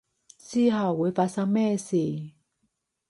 之後會發生咩事